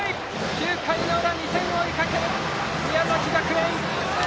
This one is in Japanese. ９回の裏、２点を追いかける宮崎学園。